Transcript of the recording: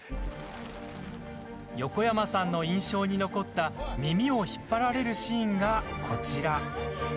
横山さんの印象に残った耳を引っ張られるシーンがこちら。